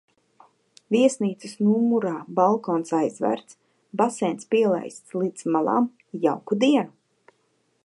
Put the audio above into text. Viesnīcas numurā balkons aizvērts. Baseins pielaists līdz malām. Jauku dienu!